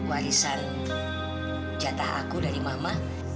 warisan jatah aku dari mama